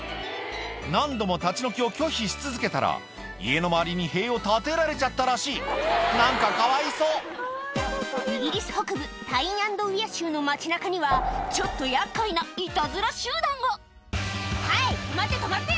何度も立ち退きを拒否し続けたら家の周りに塀を建てられちゃったらしい何かかわいそうイギリス北部タイン・アンド・ウィア州の街中には「はい止まって止まって！」